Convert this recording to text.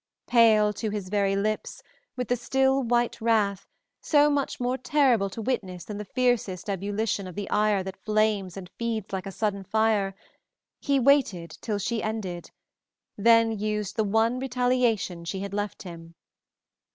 Pale to his very lips, with the still white wrath, so much more terrible to witness than the fiercest ebullition of the ire that flames and feeds like a sudden fire, he waited till she ended, then used the one retaliation she had left him.